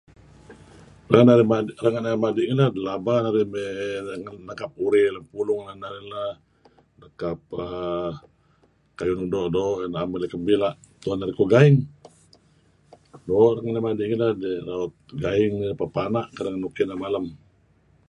Renga' narih madi' ngilad pelaba narih may nekap Urey lem pulung nuk tuen narih lah may nekap uhm kayuh nuk doo'-doo' nuk naem maley ken bila' tuen narih kuh gaing. Mo' renga' narih madi' ngilad gaing neh pepana' kedeh ngen nuk kineh malem.